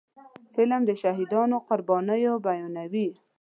فلم د شهیدانو قربانيان بیانوي